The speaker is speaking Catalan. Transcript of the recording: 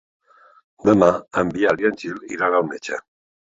Demà en Biel i en Gil iran al metge.